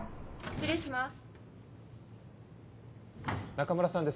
失礼します。